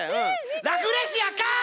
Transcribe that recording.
ラフレシアかい！